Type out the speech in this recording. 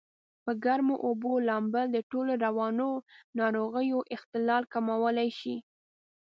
په ګرمو اوبو لامبل دټولو رواني ناروغیو اختلال کمولای شي.